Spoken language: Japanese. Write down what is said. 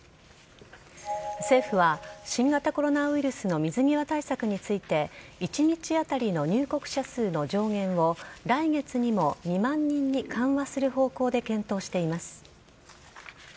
政府は新型コロナウイルスの水際対策について一日当たりの入国者数の上限を来月にも２万人に緩和する方向で検討しています。